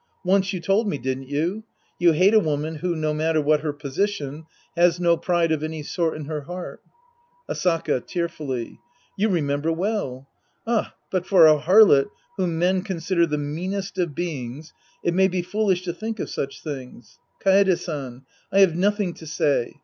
Once you told me, didn't you ? You hate a woman who, no matter what her position, has no pride of any sort in her heart. Asaka {tearfully). You remember well. Ah, but for a harlot whom men consider the meanest of beings, it may be foolish to think of such things ! Kaede San. I have nothing to say.